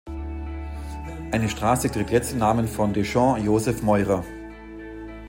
Eine Straße trägt jetzt den Namen von Dechant Joseph Mäurer.